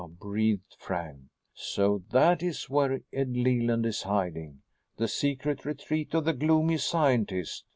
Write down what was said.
breathed Frank. "So that is where Ed Leland is hiding! The secret retreat of the gloomy scientist!"